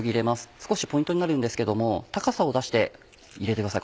少しポイントになるんですけども高さを出して入れてください